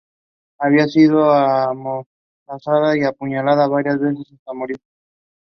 It shows the Lualaba Kassai District well to the west of the Lualaba River.